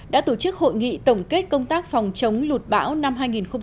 đã tổ chức hội nghị tổng kết công tác phòng chống lụt bão năm hai nghìn một mươi sáu